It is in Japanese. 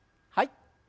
はい。